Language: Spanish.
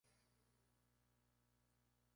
Se educó en Roxbury Latin School.